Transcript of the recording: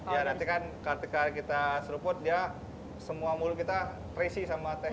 ya nanti kan ketika kita seruput semua mulut kita krisis dengan teh